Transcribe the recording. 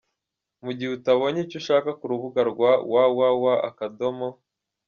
Mu gihe utabonye icyo ushaka ku rubuga rwa www.